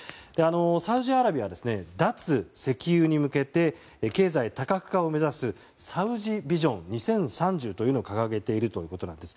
サウジアラビアは脱石油に向けて経済多角化を目指すサウジビジョン２０３０というのを掲げているということです。